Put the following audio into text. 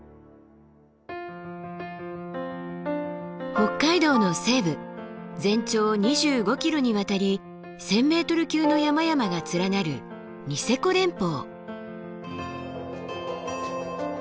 北海道の西部全長２５ｋｍにわたり１，０００ｍ級の山々が連なるニセコ連峰。